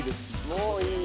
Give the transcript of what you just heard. もういいよ。